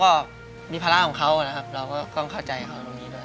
ก็มีภาระของเขานะครับเราก็ต้องเข้าใจเขาตรงนี้ด้วย